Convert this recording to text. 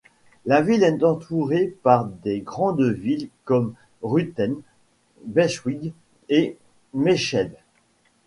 La ville est entourée par des grandes villes comme Rüthen, Bestwig et Meschede.